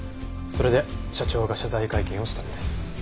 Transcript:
それで社長が謝罪会見をしたんです。